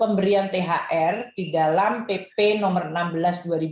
kami berharap ini tetap bisa dilakukan sebelum hari raya idul fitri